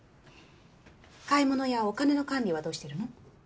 買い物やお金の管理はどうしてるの？